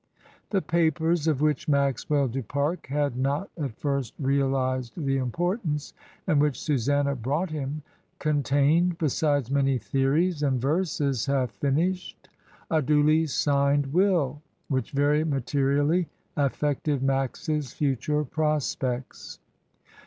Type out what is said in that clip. The papers, of which Maxwell du Pare had not at first realised the importance, and which Susanna brought him, contained, besides many theories and l'envoi. 287 verses half finished, a duly signed will which very materially affected Max's future prospects.